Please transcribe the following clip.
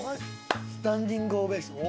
スタンディングオベーション。